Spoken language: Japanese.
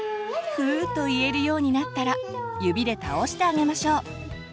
「ふー」と言えるようになったら指で倒してあげましょう。